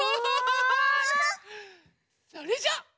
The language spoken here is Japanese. それじゃあ。